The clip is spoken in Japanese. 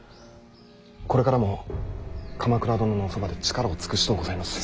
これからも鎌倉殿のおそばで力を尽くしとうございます。